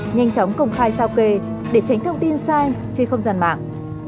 nhanh chóng công khai sao kê để tránh thông tin sai trên không gian mạng